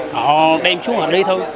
họ đem xuống ở đây thôi